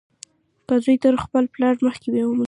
که زوى تر خپل پلار مخکې ومري.